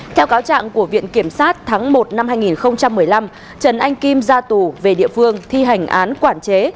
theo cáo trạng của viện kiểm sát tháng một năm hai nghìn một mươi năm trần anh kim ra tù về địa phương thi hành án quản chế